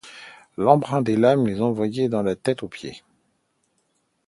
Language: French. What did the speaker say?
L’embrun des lames les enveloppait de la tête aux pieds.